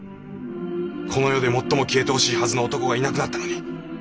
この世で最も消えてほしいはずの男がいなくなったのになぜ私の気は晴れぬのだ？